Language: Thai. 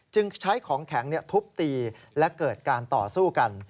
จึงใช้ของแข็งทุบตีและเกิดการต่อสู้กัน